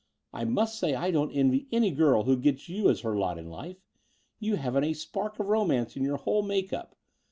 "I must say I don't envy any girl who gets you as her lot in life. You haven't a spark of romance in your whole make up.